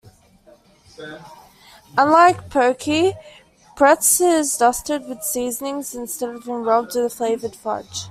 Unlike Pocky, Pretz is dusted with seasonings instead of enrobed in a flavored fudge.